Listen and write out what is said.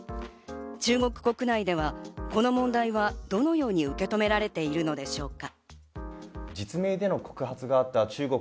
中国国内ではこの問題はどのように受け止められているのでしょうか？